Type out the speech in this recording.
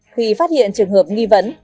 khi phát hiện trường hợp nghi vấn